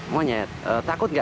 monyet takut nggak